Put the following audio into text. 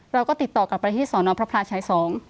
เราก็ติดต่อกลับไปที่สนพระพลาชัย๒